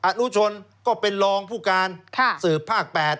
อนุชนก็เป็นรองผู้การสืบภาค๘